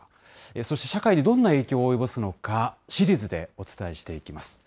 そして社会にどんな影響を及ぼすのか、シリーズでお伝えしていきます。